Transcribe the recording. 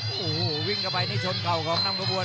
โอ้โหวิ่งเข้าไปนี่ชนเข่าของนำกระบวน